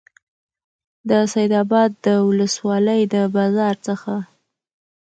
د سیدآباد د ولسوالۍ د بازار څخه